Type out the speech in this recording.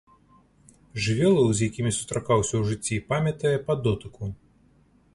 Жывёлаў, з якімі сустракаўся ў жыцці, памятае па дотыку.